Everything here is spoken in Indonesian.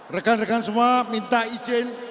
rekan rekan semua minta izin